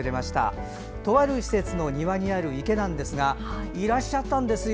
とある施設の庭にある池ですがいらっしゃったんですよ。